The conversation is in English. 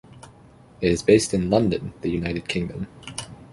It is based in London, the United Kingdom.